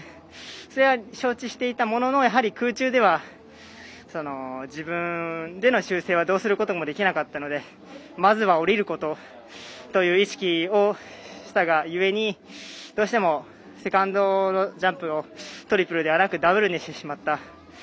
それは承知していたもののやはり空中では、自分での修正はどうすることもできなかったのでまずは降りることという意識をしたがゆえにどうしても、セカンドジャンプをトリプルではなくダブルにしてしまった。